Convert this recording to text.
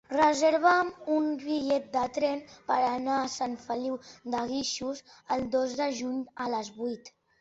Reserva'm un bitllet de tren per anar a Sant Feliu de Guíxols el dos de juny a les vuit.